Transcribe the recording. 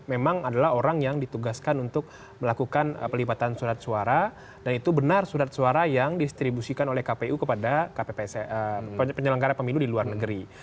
memang adalah orang yang ditugaskan untuk melakukan pelibatan surat suara dan itu benar surat suara yang distribusikan oleh kpu kepada penyelenggara pemilu di luar negeri